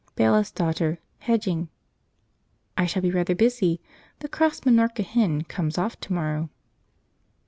Bailiffs Daughter (hedging). "I shall be rather busy; the Crossed Minorca hen comes off to morrow."